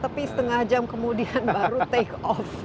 tapi setengah jam kemudian baru take off